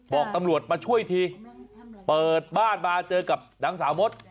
บอกตำรวจมาช่วยทีเปิดบ้านมาเจอกับนางสาวมด